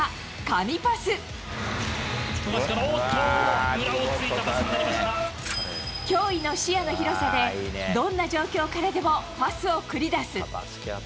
富樫から、おーっと、驚異の視野の広さで、どんな状況からでもパスを繰り出す。